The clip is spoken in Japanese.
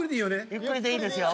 ゆっくりでいいですよ。